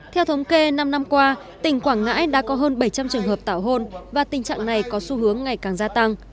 theo thống kê năm năm qua tỉnh quảng ngãi đã có hơn bảy trăm linh trường hợp tảo hôn và tình trạng này có xu hướng ngày càng gia tăng